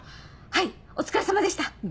はいお疲れさまでした。